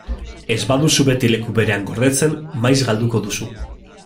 Ez baduzu beti leku berean gordetzen, maiz galduko duzu.